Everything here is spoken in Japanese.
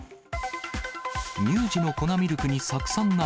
乳児の粉ミルクに酢酸鉛。